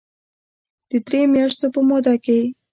د درې مياشتو په موده کې